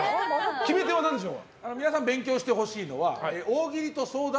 決め手は何でしょう？